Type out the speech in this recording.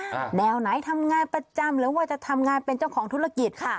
แนวไหนทำงานประจำหรือว่าจะทำงานเป็นเจ้าของธุรกิจค่ะ